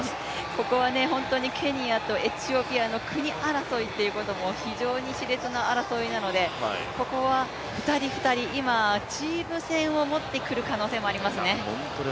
ここは本当にケニアとエチオピアの国争いっていうことも非常にしれつな争いなのでここは２人２人今、チーム戦をもってくる可能性もありますね。